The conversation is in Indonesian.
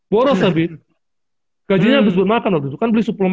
boros tapi gajinya habis bermakan waktu itu